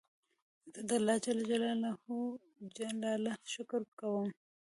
زه د الله جل جلاله شکر کوم.